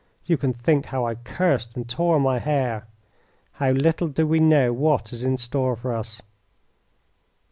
You can think how I cursed and tore my hair. How little do we know what is in store for us!